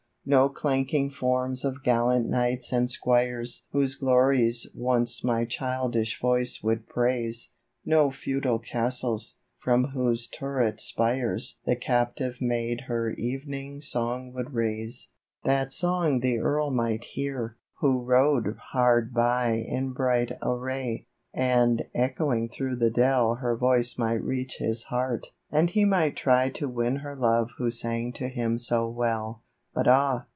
No clanking forms of gallant knights and squires WTiose glories once my childish voice would praise, No feudal castles, from whose turret spires The captive maid her ev'ning song would raise. (That song the earl might hear, who rode hard by In bright array, and echoing through the dell Her voice might reach his heart, and he might try To win her love who sang to him so well, But ah